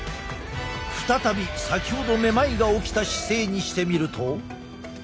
再び先ほどめまいが起きた姿勢にしてみると。